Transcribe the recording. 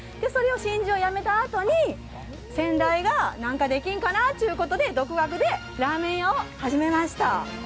真珠をやめたあとに先代が何かできんかなということで独学でラーメン屋を始めました。